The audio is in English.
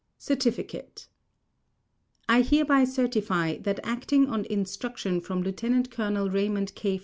Certificate I hereby certify that acting on instruction from Lieut. Colonel Raymond K.